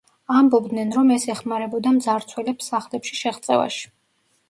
ამბობდნენ, რომ ეს ეხმარებოდა მძარცველებს სახლებში შეღწევაში.